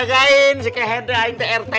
mengingatkan si keherdaan itu rt